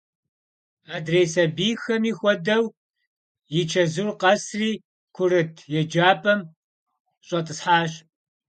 Adrêy sabiyxemi xuedeu, yi çezur khesri, kurıt yêcap'em ş'et'ıshaş.